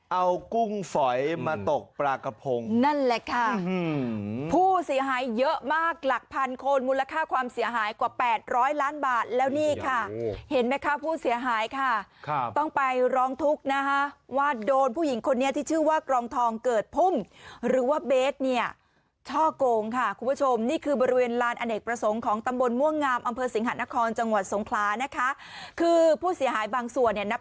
เอากุ้งฝอยมาตกปลากระพงนั่นแหละค่ะผู้เสียหายเยอะมากหลักพันคนมูลค่าความเสียหายกว่า๘๐๐ล้านบาทแล้วนี่ค่ะเห็นไหมคะผู้เสียหายค่ะครับต้องไปร้องทุกข์นะคะว่าโดนผู้หญิงคนนี้ที่ชื่อว่ากรองทองเกิดพุ่มหรือว่าเบสเนี่ยช่อกงค่ะคุณผู้ชมนี่คือบริเวณลานอเนกประสงค์ของตำบลม่วงงามอำเภอสิงหานครจังหวัดสงขลานะคะคือผู้เสียหายบางส่วนเนี่ยนับ